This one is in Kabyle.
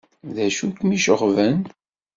D acu kem-iceɣben?